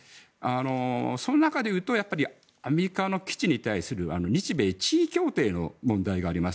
その中で言うとアメリカの基地に対する日米地位協定の話があります。